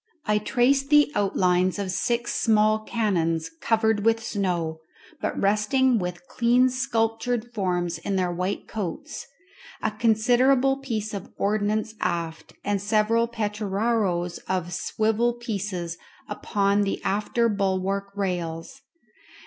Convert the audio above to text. I traced the outlines of six small cannons covered with snow, but resting with clean sculptured forms in their white coats; a considerable piece of ordnance aft, and several petararoes or swivel pieces upon the after bulwark rails.